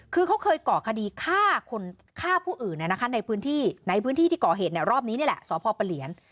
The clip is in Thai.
คือเขาเคยก่อคดีฆ่าผู้อื่นในพื้นที่ที่ก่อเหตุรอบนี้นี่แหละสพเปลี่ยน